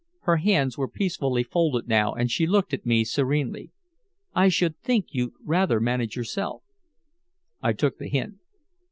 Her hands were peacefully folded now and she looked at me serenely: "I should think you'd rather manage yourself." I took the hint.